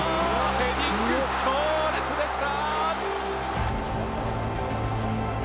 ヘディング、強烈でした！